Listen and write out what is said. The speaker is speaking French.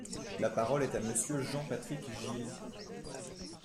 La parole est à Monsieur Jean-Patrick Gille.